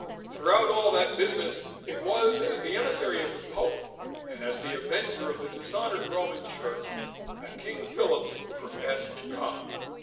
Throughout all that business it was as the emissary of the Pope, and as the avenger of the dishonoured Roman Church, that King Philip professed to come.